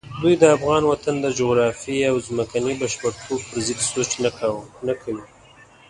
دوی د افغان وطن د جغرافیې او ځمکني بشپړتوب پرضد سوچ نه کوي.